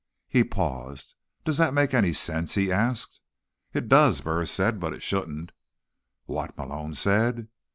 He paused. "Does that make sense?" he asked. "It does," Burris said, "but it shouldn't." "What?" Malone said.